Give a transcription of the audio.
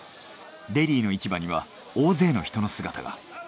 デリーの市場には大勢の人の姿が。